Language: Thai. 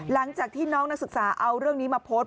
หลังจากที่น้องนักศึกษาเอาเรื่องนี้มาโพสต์